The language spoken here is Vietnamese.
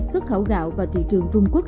xuất khẩu gạo vào thị trường trung quốc